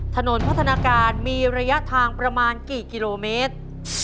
ถนนพัฒนาการมีระยะทางประมาณกี่กิโลเมตร